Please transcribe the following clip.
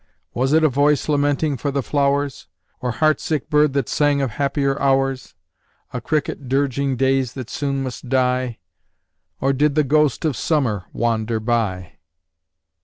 Was it a voice lamenting for the flowers? Or heart sick bird that sang of happier hours? A cricket dirging days that soon must die? Or did the ghost of Summer wander by?